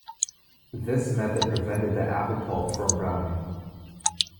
This method prevented the apple pulp from browning.